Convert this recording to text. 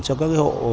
cho các hộ